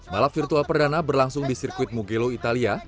balap virtual perdana berlangsung di sirkuit mugelo italia